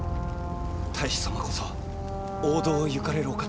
太守様こそ王道を行かれるお方。